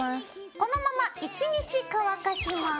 このまま１日乾かします。